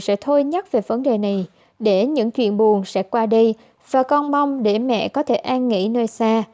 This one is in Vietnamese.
sẽ thôi nhắc về vấn đề này để những chuyện buồn sẽ qua đây và con mong để mẹ có thể an nghỉ nơi xa